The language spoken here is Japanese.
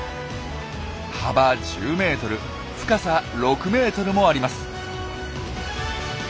幅１０ｍ深さ６ｍもあります。